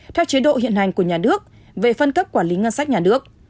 theo chế độ hiện hành của nhà nước về phân cấp quản lý ngân sách nhà nước